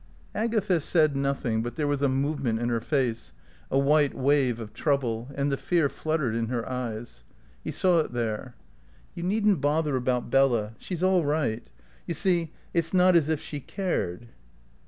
Agatha said nothing, but there was a movement in her face, a white wave of trouble, and the fear fluttered in her eyes. He saw it there. "You needn't bother about Bella. She's all right. You see, it's not as if she cared."